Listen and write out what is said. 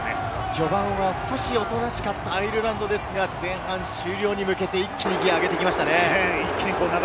序盤は少しおとなしかったアイルランドですが、前半終了に向けて、一気にギアを上げてきました。